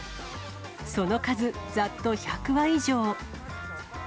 その数、ざっと１００羽以上。